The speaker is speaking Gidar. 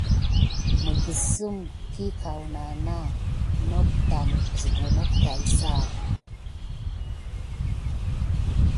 Misasin higana na an siga nok tät pak def kinaba.